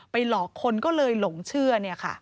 หลอกคนก็เลยหลงเชื่อ